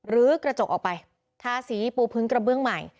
ื้อกระจกออกไปทาสีปูพึงกระเบื้องใหม่